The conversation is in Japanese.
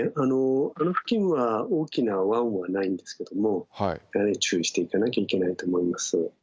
あの付近は大きな湾はないんですけどもやはり注意していかなきゃいけないと思います。